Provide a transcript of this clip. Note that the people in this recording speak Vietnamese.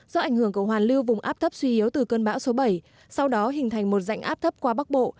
do ảnh hưởng của hoàn lưu vùng áp thấp suy yếu từ cơn bão số bảy sau đó hình thành một dạnh áp thấp qua bắc bộ